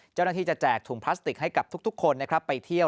เจ้าหน้าที่จะแจกถุงพลาสติกให้กับทุกคนนะครับไปเที่ยว